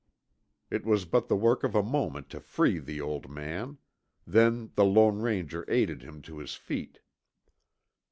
It was but the work of a moment to free the old man; then the Lone Ranger aided him to his feet.